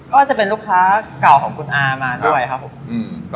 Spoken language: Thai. ก็จะเป็นลูกค้าเก่าของคุณอามาด้วยครับผมอืม